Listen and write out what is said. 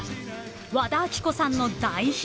［和田アキ子さんの大ヒット曲